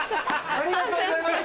ありがとうございます。